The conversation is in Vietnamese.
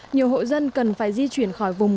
nhiều hộ dân cần phải di chuyển khỏi vùng